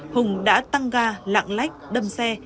hùng đã tăng ga lạng lách đâm xe